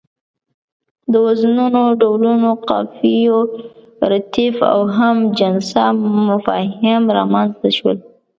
د وزنونو ډولونه، قافيو، رديف او هم جنسه مفاهيم رامنځ ته شول.